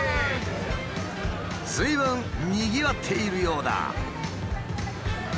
ずいぶんにぎわっているようだ。